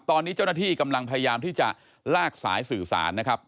ตอนนี้เจ้าหน้าที่กำลังพยายามที่จะลากสายสื่อสารนะครับ